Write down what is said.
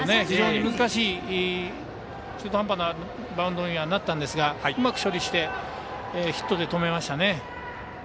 非常に難しい中途半端なバウンドにはなったんですがヒットで止めましたね。